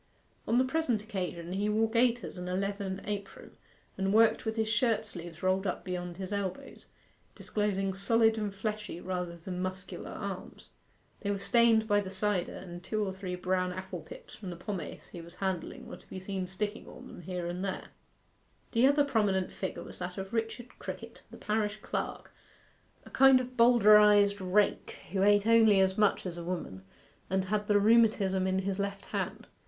On the present occasion he wore gaiters and a leathern apron, and worked with his shirt sleeves rolled up beyond his elbows, disclosing solid and fleshy rather than muscular arms. They were stained by the cider, and two or three brown apple pips from the pomace he was handling were to be seen sticking on them here and there. The other prominent figure was that of Richard Crickett, the parish clerk, a kind of Bowdlerized rake, who ate only as much as a woman, and had the rheumatism in his left hand.